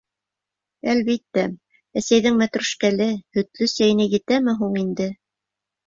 Әлбиттә, әсәйҙең мәтрүшкәле, һөтлө сәйенә етәме һуң инде...